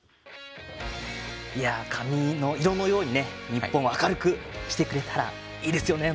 髪の色のように日本を明るくしてくれたらいいですよね。